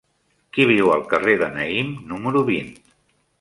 Qui viu al carrer de Naïm número vint?